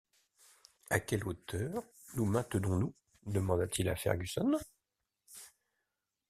À quelle hauteur nous maintenons-nous? demanda-t-il à Fergusson.